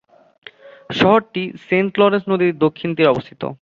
শহরটি Saint Lawrence নদীর দক্ষিণ তীরে অবস্থিত।